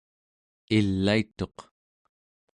ilaituq